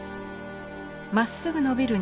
まっすぐのびる